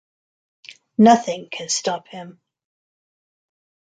Nothing can stop him.